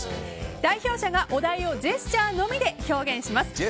代表者がお題をジェスチャーのみで表現します。